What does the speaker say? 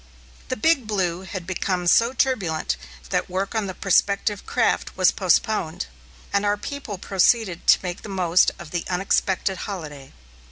The Big Blue had become so turbulent that work on the prospective craft was postponed, and our people proceeded to make the most of the unexpected holiday.